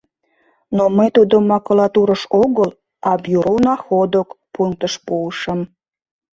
— Но мый тудым макулатурыш огыл, а «Бюро находок» пунктыш пуышым.